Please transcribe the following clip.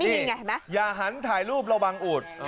นี่ไงเห็นไหมอย่าหันถ่ายรูประวังอูด